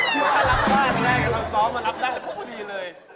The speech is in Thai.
พี่พ่อรับฝากแม่เราซ้อมมารับฝากก็พอดีเลย